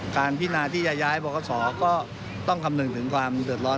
พินาที่จะย้ายบรคศก็ต้องคำนึงถึงความเดือดร้อน